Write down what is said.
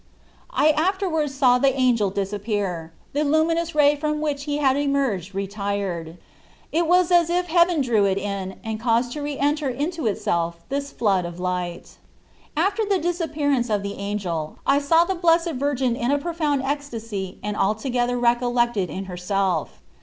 I afterwards saw the angel disappear; the luminous ray from which he had emerged retired ; it was as if heaven drew it in and caused to re enter into itself this flood of light. After the disappearance of the angel I saw the Blessed Virgin in a profound ecstasy and altogether recollected in her self.